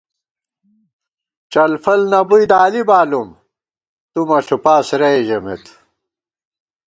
ڄلفل نہ بُوئی دالی بالُوم ، تُو مہ ݪُوپاس رئی ژمېت